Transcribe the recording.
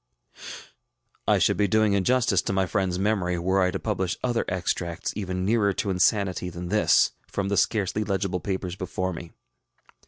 ŌĆØ I should be doing injustice to my friendŌĆÖs memory, were I to publish other extracts even nearer to insanity than this, front the scarcely legible papers before me.